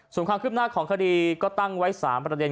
ส่วนความคืบหน้าของคดีก็ตั้งไว้๓ประเด็น